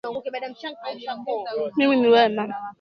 Mimi ni mwema